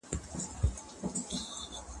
ذهنونه روښانه کړئ.